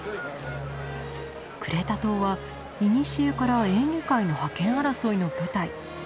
クレタ島はいにしえからエーゲ海の覇権争いの舞台。